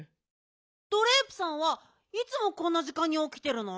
ドレープさんはいつもこんなじかんにおきてるの？